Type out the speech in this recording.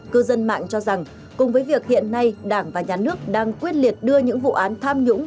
cư dân mạng cho rằng cùng với việc hiện nay đảng và nhà nước đang quyết liệt đưa những vụ án tham nhũng